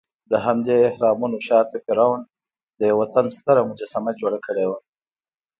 دهمدې اهرامونو شاته فرعون د یوه تن ستره مجسمه جوړه کړې وه.